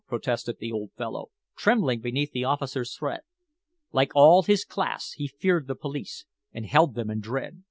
protested the old fellow, trembling beneath the officer's threat. Like all his class, he feared the police, and held them in dread.